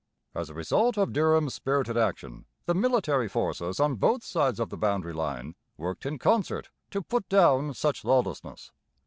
As a result of Durham's spirited action, the military forces on both sides of the boundary line worked in concert to put down such lawlessness.